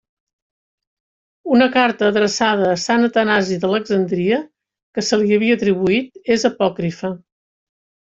Una carta adreçada a Sant Atanasi d'Alexandria que se li havia atribuït és apòcrifa.